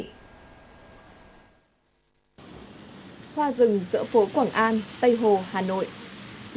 cảm ơn quý vị đã quan tâm theo dõi kính chào tạm biệt quý vị